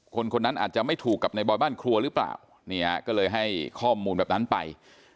คนคนนั้นอาจจะไม่ถูกกับในบอยบ้านครัวหรือเปล่าเนี่ยก็เลยให้ข้อมูลแบบนั้นไป